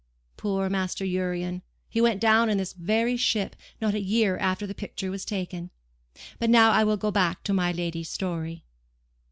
Poor Master Urian! he went down in this very ship not a year after the picture was taken! But now I will go back to my lady's story.